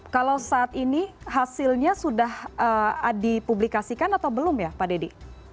kalau saat ini hasilnya sudah dipublikasikan atau belum ya pak dedy